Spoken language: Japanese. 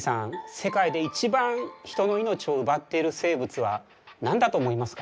世界で一番人の命を奪っている生物は何だと思いますか？